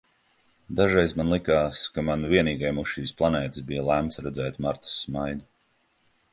Dažreiz man likās, ka man vienīgajam uz šīs planētas bija lemts redzēt Martas smaidu.